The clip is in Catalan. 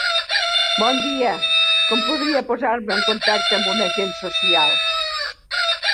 Bon dia, com podria posar-me en contacte amb un agent social?